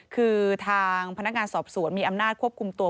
คือทางพนักงานสอบสวนมีอำนาจควบคุมตัว